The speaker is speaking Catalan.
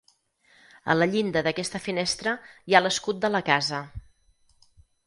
A la llinda d'aquesta finestra hi ha l'escut de la casa.